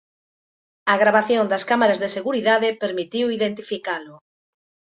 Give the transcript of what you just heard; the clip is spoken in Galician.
A gravación das cámaras de seguridade permitiu identificalo.